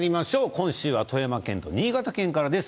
今週は富山県と新潟県からです。